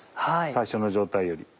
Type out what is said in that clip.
最初の状態より。